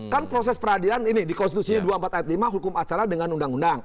kan proses peradilan ini di konstitusi dua puluh empat ayat lima hukum acara dengan undang undang